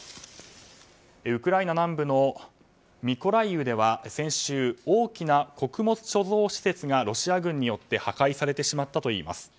ウクライナ南部のミコライウでは先週、大きな穀物貯蔵施設がロシア軍によって破壊されてしまったといいます。